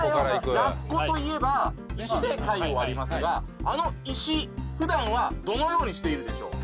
ラッコといえば石で貝を割りますがあの石ふだんはどのようにしているでしょう？